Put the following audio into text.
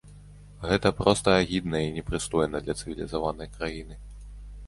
Гэта проста агідна і непрыстойна для цывілізаванай краіны!